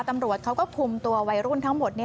ตำรวจเขาก็คุมตัววัยรุ่นทั้งหมด